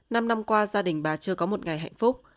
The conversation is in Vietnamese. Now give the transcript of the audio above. năm năm qua gia đình bà chưa có một ngày hạnh phúc